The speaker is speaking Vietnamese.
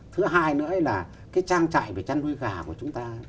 thứ hai nữa là cái trang trại về chăn nuôi gà của chúng ta